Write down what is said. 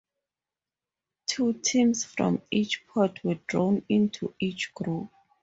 Two teams from each pot were drawn into each group.